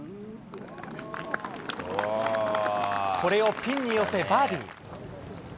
これをピンに寄せ、バーディー。